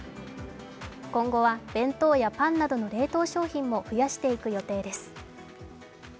今後は弁当やパンなどの冷凍商品も増やしていく予定です。